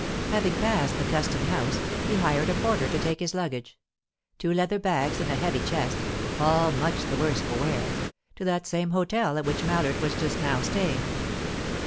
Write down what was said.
Having passed the custom house, he hired a porter to take his luggage two leather bags and a heavy chest, all much the worse for wear to that same hotel at which Mallard was just now staying.